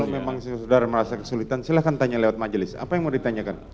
kalau memang saudara merasa kesulitan silahkan tanya lewat majelis apa yang mau ditanyakan